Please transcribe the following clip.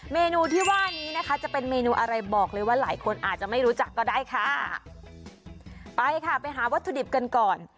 เมนูที่ว่านี้นะคะจะเป็นเมนูอะไรบอกเลยว่าหลายคนอาจจะไม่รู้จักก็ได้ค่ะไปค่ะไปหาวัตถุดิบกันก่อน